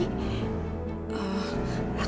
aku harus berbuat sesuatu